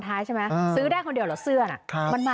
ท้ายใช่ไหมซื้อได้คนเดียวเหรอเสื้อน่ะมันมา